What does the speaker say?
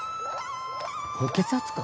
高血圧か？